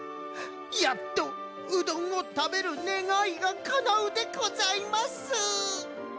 やっとうどんをたべるねがいがかなうでございます！